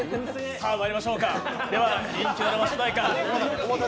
さあ、まいりましょうか人気ドラマ主題歌